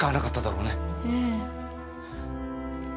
ええ。